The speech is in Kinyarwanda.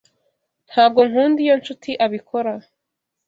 Ntabwo nkunda iyo Nshuti abikora.